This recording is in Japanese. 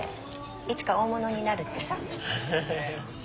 いつか大物になるってさ。